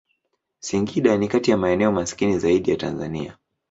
Singida ni kati ya maeneo maskini zaidi ya Tanzania.